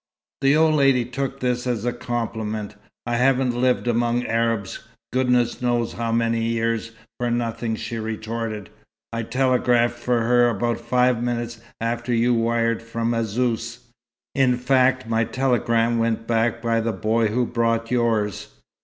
The old lady took this as a compliment. "I haven't lived among Arabs, goodness knows how many years, for nothing," she retorted. "I telegraphed for her about five minutes after you wired from Azzouz. In fact, my telegram went back by the boy who brought yours."